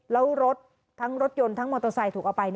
แล้วรถทั้งรถยนต์ทั้งมอเตอร์ไซค์ถูกเอาไป